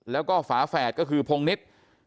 แล้วก็ฝาแฝดก็คือพงนิษฐ์